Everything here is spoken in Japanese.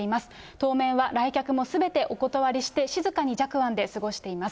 当面は来客もすべてお断りして、静かに寂庵で過ごしています。